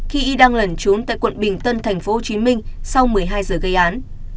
khi y đang lẩn trốn tại quận bình tân thành phố hồ chí minh sau một mươi hai giờ gây án